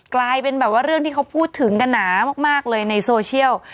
กลายเป็นแบบว่าเรื่องที่เขาพูดถึงกันหนามากเลยในโซเชียล